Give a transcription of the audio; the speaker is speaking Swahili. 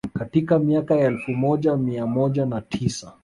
Katika miaka ya elfu moja mia moja na tisa